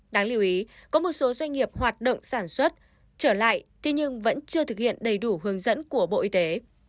đáng lưu ý có một số doanh nghiệp hoạt động sản xuất trở lại thế nhưng vẫn chưa thực hiện đầy đủ hướng dẫn của bộ y tế